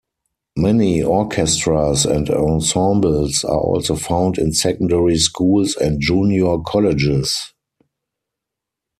Many orchestras and ensembles are also found in secondary schools and junior colleges.